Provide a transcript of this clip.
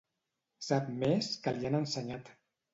Sap més que li han ensenyat.